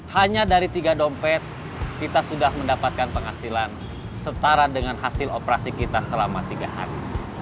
hanya dari tiga dompet kita sudah mendapatkan penghasilan setara dengan hasil operasi kita selama tiga hari